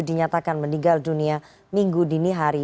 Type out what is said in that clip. dinyatakan meninggal dunia minggu dini hari